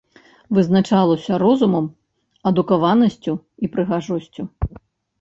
Вызначалася розумам, адукаванасцю і прыгажосцю.